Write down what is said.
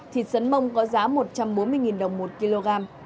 thịt sấn mông có giá một trăm bốn mươi đồng một kg